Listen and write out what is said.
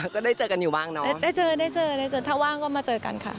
ก็ได้เจอกันอยู่บ้างเนอะได้เจอถ้าว่างก็มาเจอกันค่ะ